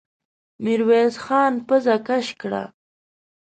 ميرويس خان پزه کش کړه.